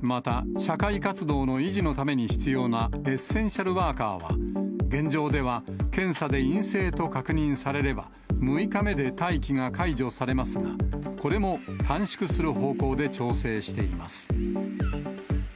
また、社会活動の維持のために必要なエッセンシャルワーカーは、現状では検査で陰性と確認されれば、６日目で待機が解除されますが、これも短縮する方向で調整しています。